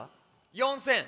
４，０００。